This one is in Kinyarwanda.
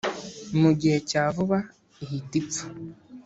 mu gihe cya vuba ihita ipfa